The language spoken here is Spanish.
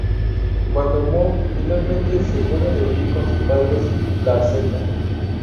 Cuando Mo finalmente se pone de pie con sus padres, la aceptan.